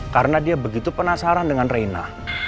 karena dia begitu penasaran dengan rena